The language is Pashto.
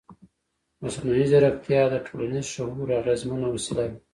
مصنوعي ځیرکتیا د ټولنیز شعور اغېزمنه وسیله ده.